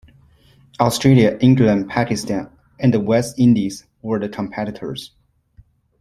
Australia, England, Pakistan and the West Indies were the competitors.